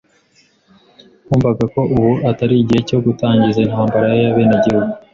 Bumvaga ko ubu atari igihe cyo gutangiza intambara y'abenegihugu.